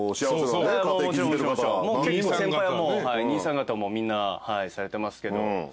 結構先輩は兄さん方はもうみんなされてますけど。